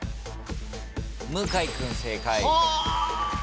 向井君正解。